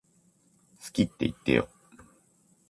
好きって言ってよ